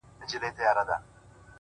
• ورښودلي خپل استاد وه څو شعرونه,